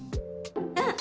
うん！